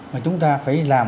mà chúng ta phải làm